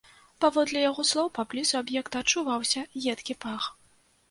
Паводле яго слоў, паблізу аб'екта адчуваўся едкі пах.